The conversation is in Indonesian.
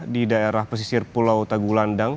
di daerah pesisir pulau tagulandang